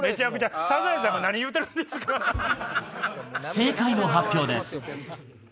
正解の発表です。